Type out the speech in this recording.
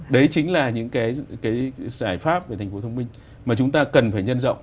đấy chính là những cái giải pháp về thành phố thông minh mà chúng ta cần phải nhân rộng